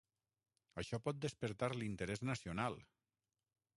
Això pot despertar l'interès nacional!